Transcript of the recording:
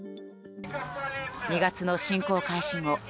２月の侵攻開始後